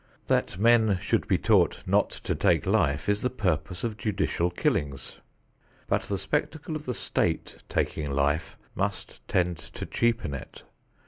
That men should be taught not to take life is the purpose of judicial killings. But the spectacle of the state taking life must tend to cheapen it.